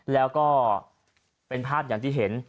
แล้วก็เป็นภาพอย่างที่เห็น